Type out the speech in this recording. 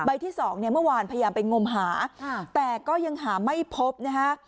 ที่สองเนี่ยเมื่อวานพยายามไปงมหาแต่ก็ยังหาไม่พบนะฮะ